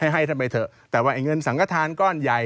ให้ท่านไปเถอะแต่ว่าไอ้เงินสังกฐานก้อนใหญ่